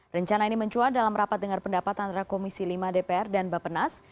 rencana ini mencuat dalam rapat dengar pendapat antara komisi lima dpr dan bapenas